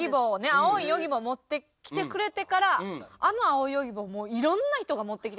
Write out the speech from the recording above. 青いヨギボーを持ってきてくれてからあの青いヨギボーもういろんな人が持ってきて。